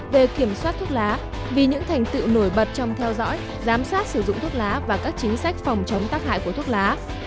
việt nam được nhận giải thưởng toàn cầu của quỹ bloomberg về những nỗ lực và thành tích trong theo dõi giám sát sử dụng thuốc lá và các chính sách phòng chống tác hại của thuốc lá